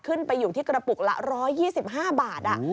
ขึ้นไปอยู่ที่กระปุกละ๑๒๕บาท